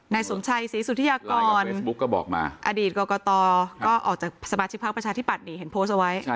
นายสุมชัยศรีสุธิากรอดีตกกตก็ออกจากสมาชิกภักดิ์ประชาธิปัตย์นี่เห็นโพสต์เอาไว้